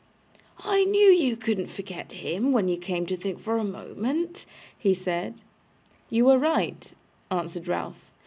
'I knew you couldn't forget him, when you came to think for a moment,' he said. 'You were right,' answered Ralph.